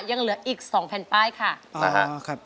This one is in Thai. ยังเหลืออีก๒แผ่นป้ายค่ะ